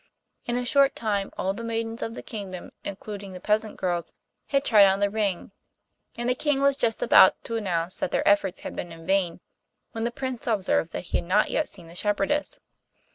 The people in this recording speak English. In a short time all the maidens of the kingdom, including the peasant girls, had tried on the ring, and the King was just about to announce that their efforts had been in vain, when the Prince observed that he had not yet seen the shepherdess.